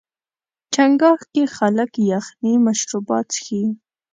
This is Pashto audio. چنګاښ کې خلک یخني مشروبات څښي.